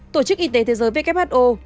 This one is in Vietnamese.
tổ chức y tế thế giới who